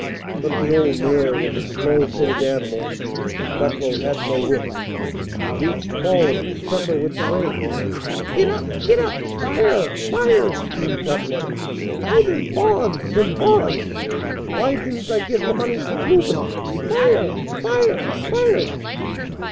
But the old mare was a slow footed animal; and Ducklow had no whip. He reached forward and struck her with the reins. "Git up! git up! Fire! fire!" screamed Ducklow. "Oh, them bonds! them bonds! Why didn't I give the money to Reuben? Fire! fire! fire!"